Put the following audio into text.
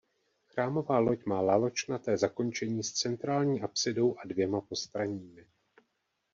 Chrámová loď má laločnaté zakončení s centrální apsidou a dvěma postranními.